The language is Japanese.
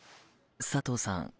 佐藤さん